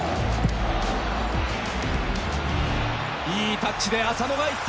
いいタッチで浅野がいった。